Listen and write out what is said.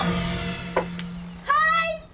はい！